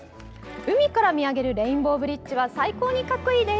海から見上げるレインボーブリッジは最高に格好いいです。